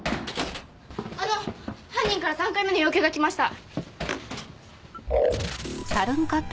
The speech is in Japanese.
あの犯人から３回目の要求がきました。